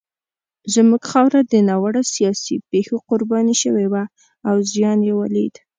زموږ خاوره د ناوړه سیاسي پېښو قرباني شوې وه او زیان یې ولید.